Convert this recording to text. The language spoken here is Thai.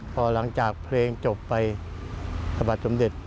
พอหลังจากเพลงจบไปสบัติสำเร็จ